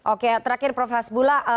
oke terakhir prof hasbullah